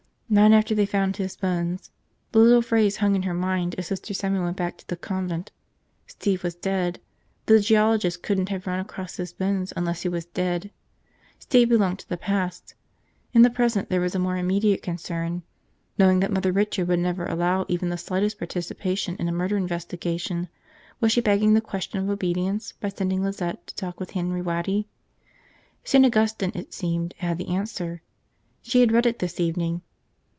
Not after they found his bones. The little phrase hung in her mind as Sister Simon went back to the convent. Steve was dead. The geologist couldn't have run across his bones unless he was dead. Steve belonged to the past. In the present there was a more immediate concern: knowing that Mother Richard would never allow even the slightest participation in a murder investigation, was she begging the question of obedience by sending Lizette to talk with Henry Waddy? St. Augustine, it seemed, had the answer. She had read it this evening.